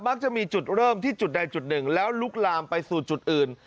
จะมีจุดเริ่มที่จุดใดจุดหนึ่งแล้วลุกลามไปสู่จุดอื่น